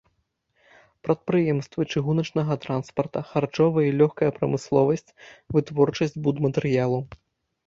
Прадпрыемствы чыгуначнага транспарта, харчовая і лёгкая прамысловасць, вытворчасць будматэрыялаў.